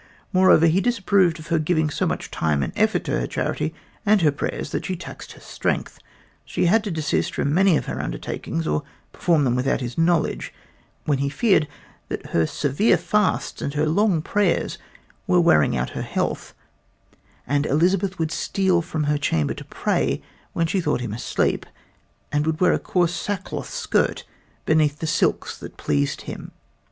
Moreover, he disapproved of her giving so much time and effort to her charity and her prayers that she taxed her strength. She had to desist from many of her undertakings, or perform them without his knowledge, when he feared that her severe fasts and her long prayers were wearing out her health; and Elizabeth would steal from her chamber to pray when she thought him asleep, and would wear a coarse sackcloth skirt beneath the silks that pleased him.